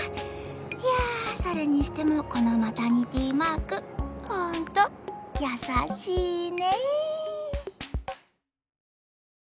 いやそれにしてもこのマタニティマークホントやさしいね。